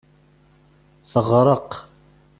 Teɣreq.